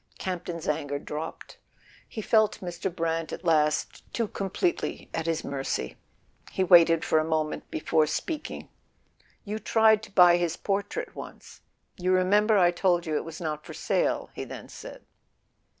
Campton's anger dropped: he felt Mr. Brant at last too completely at his mercy. He waited for a moment before speaking. "You tried to buy his portrait once—you remember I told you it was not for sale," he then said.